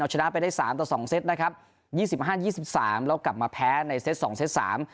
ชนะไปได้สามต่อสองเซตนะครับยี่สิบห้ายี่สิบสามแล้วกลับมาแพ้ในเซตสองเซตสาม